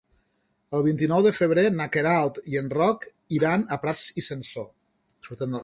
El vint-i-nou de febrer na Queralt i en Roc iran a Prats i Sansor.